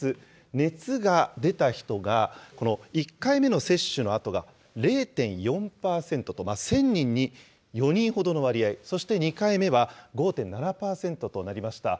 熱が出た人が、この１回目の接種のあとが０．４％と、１０００人に４人ほどの割合、そして２回目は５．７％となりました。